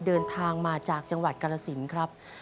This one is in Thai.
เดินทางมาจากจังหวัดกรสินครับ